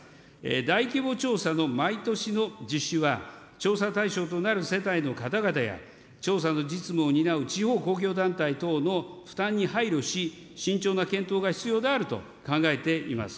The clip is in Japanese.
大規模調査の毎年の実施は、調査対象となる世帯の方々や、調査の実務を担う地方公共団体等の負担に配慮し、慎重な検討が必要であると考えています。